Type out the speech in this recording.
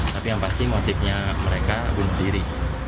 tapi yang pasti motifnya mereka bunuh diri